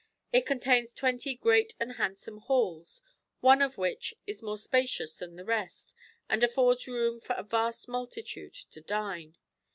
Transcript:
It contains 2,0 great and handsome halls, one of which is more spacious than the rest, and aflbrds room for a vast multitude to dine.